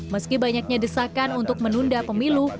meski banyaknya desakan untuk menunda pemilu